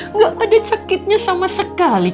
nggak ada cekitnya sama sekali